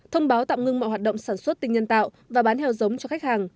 thông báo tạm ngưng mọi hoạt động sản xuất tinh nhân tạo và bán heo giống cho khách hàng